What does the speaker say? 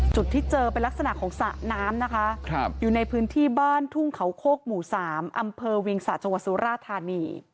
จุดที่เจอเป็นลักษณะของสระน้ำนะคะอยู่ในพื้นที่บ้านทุ่งเขาโคกหมู่๓อำเภอเวียงสะจังหวัดสุราธานี